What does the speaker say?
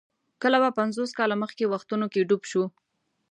کله به پنځوس کاله مخکې وختونو کې ډوب شو.